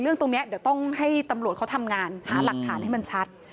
ตรงนี้เดี๋ยวต้องให้ตำรวจเขาทำงานหาหลักฐานให้มันชัด